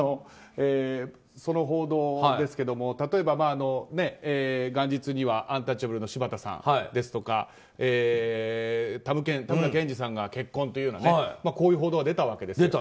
その報道ですけども例えば、元日にはアンタッチャブルの柴田さんですとかたむけん、たむらけんじさんが結婚というようなこういう報道が出たわけです。